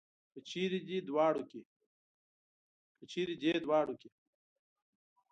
که چېرې دې دواړو کې.